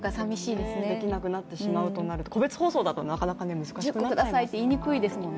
できなくなってしまうとなると個別包装だとなかなか難しくなってしまいますよね。